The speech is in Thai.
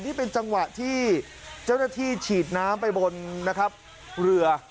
นี่เป็นจังหวะที่เจ้าหน้าที่ฉีดน้ำไปบนนะครับเรือ